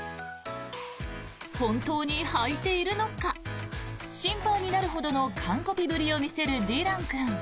本当にはいているのか心配になるほどの完コピぶりを見せるディラン君。